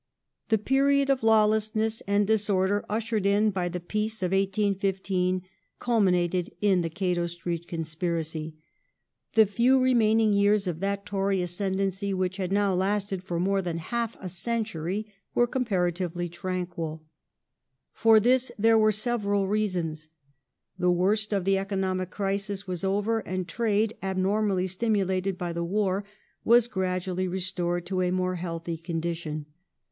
The period of lawlessness and disorder ushered in by the peace of 1815 culminated in the Cato Street Conspiracy. The few re maining years of that Tory ascendancy, which had now lasted for more than half a century, were comparatively tranquil. For this there were several reasons. The worst of the economic crisis was over, and trade, abnormally stimulated by the war, was gradually restored to a more healthy condition.